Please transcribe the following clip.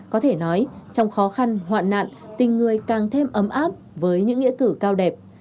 có thể nói trong khó khăn hoạn nạn tình người càng thêm ấm áp với những nghĩa cử cao đẹp